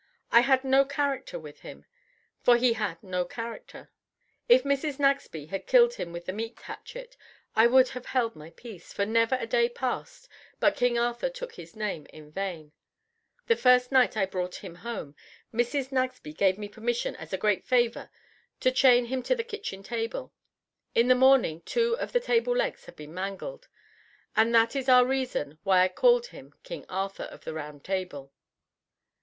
I had no character with him, for he had no character. If Mrs. Nagsby had killed him with the meat hatchet I would have held my peace, for never a day passed but King Arthur took his name in vain. The first night I brought him home Mrs. Nagsby gave me permission as a great favor to chain him to the kitchen table. In the morning two of the table legs had been mangled, and that is our reason why I called him King Arthur, of the Round Table.